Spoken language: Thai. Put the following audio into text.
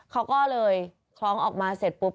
เขาก็เลยคล้องออกมาเสร็จปุ๊บ